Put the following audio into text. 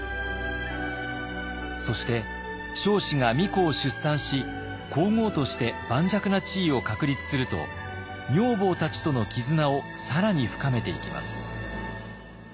そして彰子が皇子を出産し皇后として盤石な地位を確立すると女房たちとの絆を更に深めていきます。